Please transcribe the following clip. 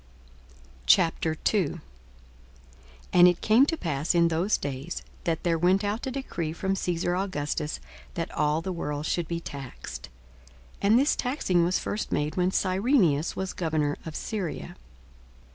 42:002:001 And it came to pass in those days, that there went out a decree from Caesar Augustus that all the world should be taxed. 42:002:002 (And this taxing was first made when Cyrenius was governor of Syria.)